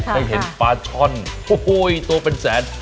ได้เห็นปลาช่อนโอ้โหตัวเป็นแสน